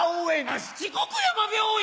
あっ七国山病院？